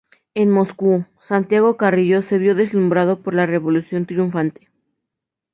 En Moscú, Santiago Carrillo se vio deslumbrado por la revolución triunfante.